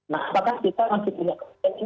nah apakah kita masih punya kepentingan